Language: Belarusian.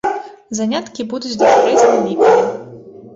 Заняткі будуць да сярэдзіны ліпеня.